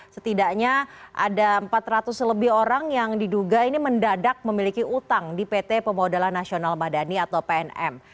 setidaknya ada empat ratus lebih orang yang diduga ini mendadak memiliki utang di pt pemodalan nasional madani atau pnm